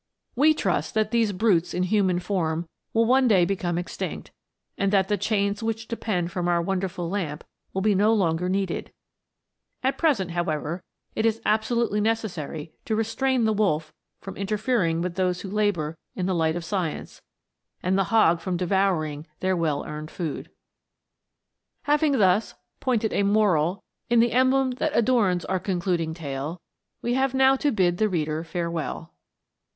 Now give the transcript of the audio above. We trust that these brutes in human form will one day become extinct, and that the chains which depend from our wonderful lamp will be no longer needed ; at present, however, it is absolutely neces sary to restrain the wolf from interfering with those who labour in the light of science, and the hog from devouring their well earned food. Having thus "pointed a moral" in the emblem that " adorns our concluding tale," we have now to bid the reader farewell.